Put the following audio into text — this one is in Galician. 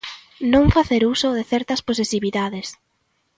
Non facer uso de certas posesividades.